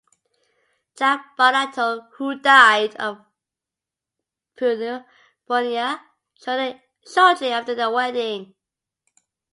Jack Barnato, who died of pneumonia shortly after their wedding.